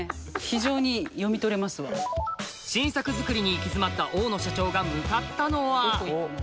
非常に読み取れますわ新作づくりに行き詰まった大野社長が向かったのはどこ行くの？